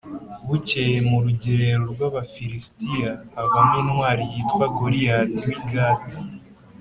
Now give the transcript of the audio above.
Bukeye mu rugerero rw’Abafilisitiya havamo intwari yitwa Goliyati w’i Gati